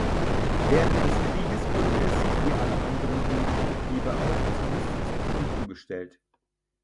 Während des Krieges wurde es, wie alle anderen ähnlichen Betriebe auch, zum Rüstungsbetrieb umgestellt.